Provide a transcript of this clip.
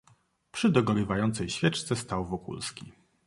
"Przy dogorywającej świeczce stał Wokulski."